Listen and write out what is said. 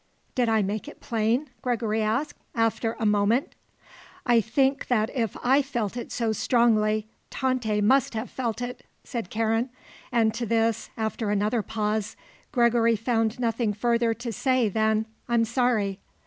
"Did I make it plain?" Gregory asked, after a moment. "I think that if I felt it so strongly, Tante must have felt it," said Karen, and to this, after another pause, Gregory found nothing further to say than "I'm sorry."